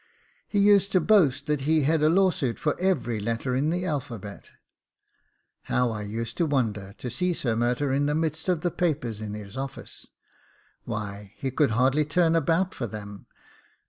He used to boast that he had a lawsuit for every letter in the alphabet. How I used to wonder to see Sir Murtagh in the midst of the papers in his office! Why, he could hardly turn about for them.